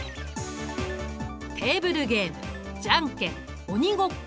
テーブルゲームじゃんけん鬼ごっこ